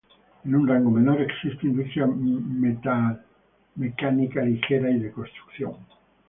En un rango menor, existe industria metalmecánica ligera y de construcción.